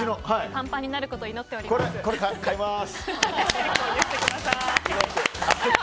パンパンになることを祈っております。